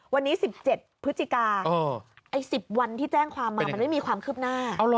วันนี้๑๗พฤศจิกา๑๐วันที่แจ้งความมามันไม่มีความคืบหน้า